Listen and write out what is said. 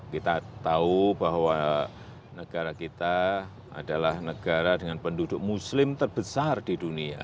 kita tahu bahwa negara kita adalah negara dengan penduduk muslim terbesar di dunia